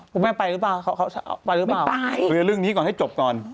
พวกแม่ไปหรือเปล่าไปหรือเปล่าไม่ไปเรื่องนี้ก่อนให้จบก่อน